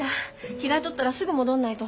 着替え取ったらすぐ戻んないと。